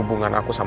udah jangan kejam